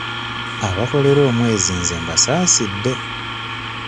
Abakolera omwezi nze mbasaasidde.